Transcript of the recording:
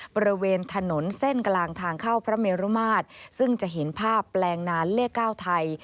บริเวณถนนเส้นกลางทางเข้าพระเมรุมาตรซึ่งจะเห็นภาพแปลงนานเลข๙ไทย